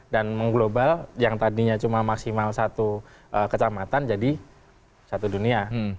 mengglobal yang tadinya cuma maksimal satu kecamatan jadi satu dunia